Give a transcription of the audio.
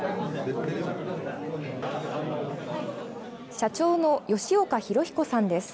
社長の芳岡博彦さんです。